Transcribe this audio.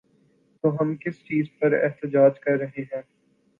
تو ہم کس چیز پہ احتجاج کر رہے ہیں؟